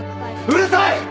うるさい！